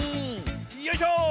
よいしょ！